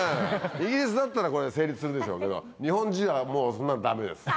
イギリスだったらこれ成立するでしょうけど日本人はもうそんなのダメです。